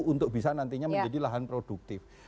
untuk bisa nantinya menjadi lahan produktif